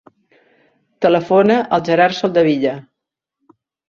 Telefona al Gerard Soldevilla.